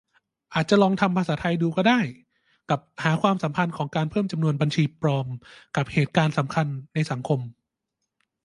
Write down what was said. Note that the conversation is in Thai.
อาจลองทำภาษาไทยดูก็ได้ กับหาความสัมพันธ์ของการเพิ่มจำนวนบัญชีปลอมกับเหตุการณ์สำคัญในสังคม ?